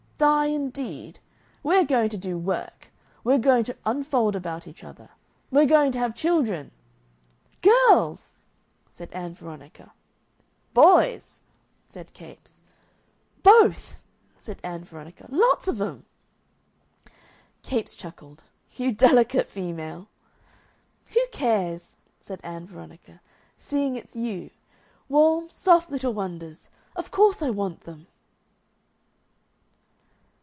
Die, indeed! We're going to do work; we're going to unfold about each other; we're going to have children." "Girls!" cried Ann Veronica. "Boys!" said Capes. "Both!" said Ann Veronica. "Lots of 'em!" Capes chuckled. "You delicate female!" "Who cares," said Ann Veronica, "seeing it's you? Warm, soft little wonders! Of course I want them."